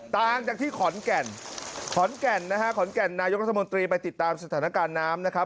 ต่างจากที่ขอนแก่นขอนแก่นนะฮะขอนแก่นนายกรัฐมนตรีไปติดตามสถานการณ์น้ำนะครับ